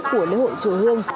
của lễ hội chùa hương